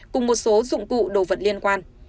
cùng một số dụng cụ đồ vật liên quan